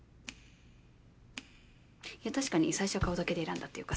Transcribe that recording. いや確かに最初は顔だけで選んだっていうか